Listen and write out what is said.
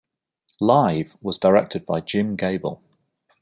"Live" was directed by Jim Gable.